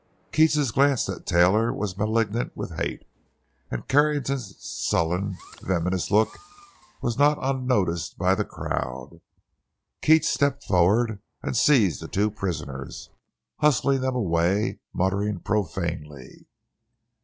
Keats's glance at Taylor was malignant with hate; and Carrington's sullen, venomous look was not unnoticed by the crowd. Keats stepped forward and seized the two prisoners, hustling them away, muttering profanely.